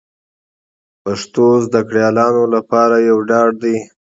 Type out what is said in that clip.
پښتو زده کړیالانو لپاره یو ډاډ دی